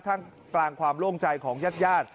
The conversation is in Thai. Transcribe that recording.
ทั้งกลางความล่วงใจของญาติยาด